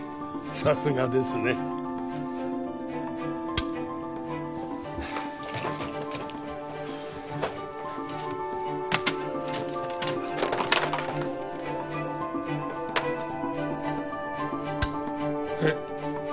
さすがですね。えっ。